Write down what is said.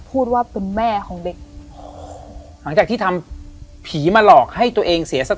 พูดว่าเป็นแม่ของเด็กหลังจากที่ทำผีมาหลอกให้ตัวเองเสียสัก